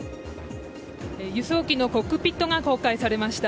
輸送機のコックピットが公開されました。